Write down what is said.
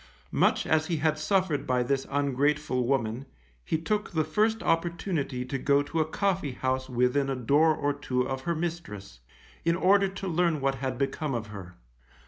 Much as he had suffered by this ungrateful woman, he took the first opportunity to go to a coffee house within a door or two of her mistress, in order to learn what had become of her.